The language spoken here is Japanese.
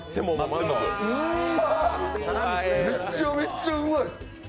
うんまい、めちゃめちゃうまい。